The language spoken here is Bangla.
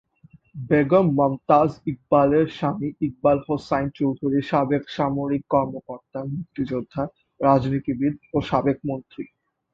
বেগম মমতাজ ইকবালের স্বামী ইকবাল হোসাইন চৌধুরী সাবেক সামরিক কর্মকর্তা, মুক্তিযোদ্ধা, রাজনীতিবিদ ও সাবেক মন্ত্রী।